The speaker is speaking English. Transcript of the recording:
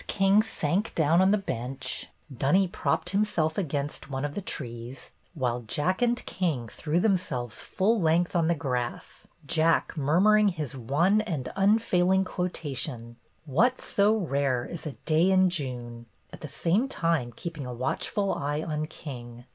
King sank down on the bench, Dunny propped himself against one of the trees, while Jack and King threw themselves full length on the grass. Jack murmuring his one and unfailing quotation, "What 's so rare as a day in June?" at the same time keeping a watchful eye on King.